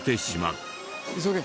急げ！